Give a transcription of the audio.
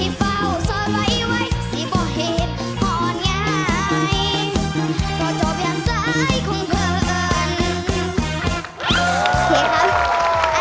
ที่พอจับกีต้าร์ปุ๊บ